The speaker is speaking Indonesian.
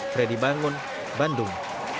freddy bangun bandung